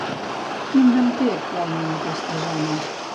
Quin nom té actualment aquesta zona?